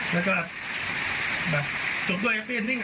แล้วก็แบบจบด้วยแปลนิ่งอะ